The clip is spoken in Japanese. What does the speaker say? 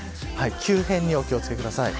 急変にお気を付けください。